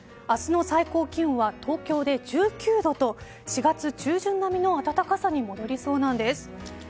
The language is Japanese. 明日の最高気温は東京で１９度と４月中旬並みの暖かさに戻りそうなんです。